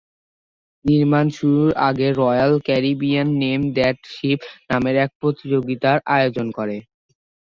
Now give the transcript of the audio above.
নির্মাণ শুরুর আগে Royal Caribbean ‘name that ship’ নামের এক প্রতিযোগিতার আয়োজন করে।